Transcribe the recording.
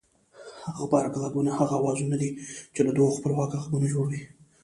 غبرگ غږونه هغه اوازونه دي چې له دوو خپلواکو غږونو جوړ وي